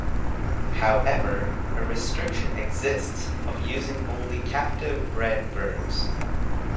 However, a restriction exists of using only captive-bred birds.